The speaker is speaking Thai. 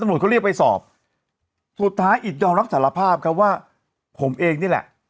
ตำรวจเขาเรียกไปสอบสุดท้ายอิตยอมรับสารภาพครับว่าผมเองนี่แหละ